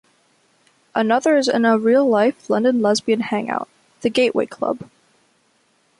Another is in a real-life London lesbian hangout, the Gateways Club.